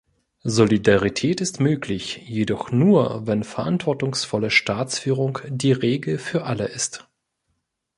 Solidarität ist möglich, jedoch nur, wenn verantwortungsvolle Staatsführung die Regel für alle ist.